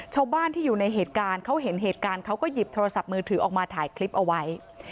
ชาวบ้านที่อยู่ในเหตุการณ์เขาเห็นเหตุการณ์เขาก็หยิบโทรศัพท์มือถือออกมาถ่ายคลิปเอาไว้